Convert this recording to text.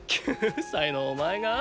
９歳のお前が？